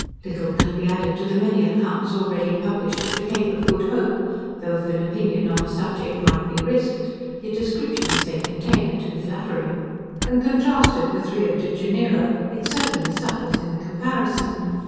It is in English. Little can be added to the many accounts already published of the Cape of Good Hope, though, if an opinion on the subject might be risqued, the descriptions they contain are too flattering. When contrasted with Rio de Janeiro, it certainly suffers in the comparison.